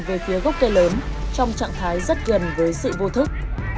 về phía gốc cây lớn trong trạng thái rất gần với sự vô thức